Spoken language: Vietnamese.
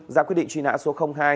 ra quyết định truy nã số hai